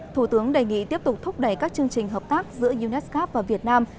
thủ tướng đề nghị tiếp tục thúc đẩy các chương trình hợp tác giữa unesco và việt nam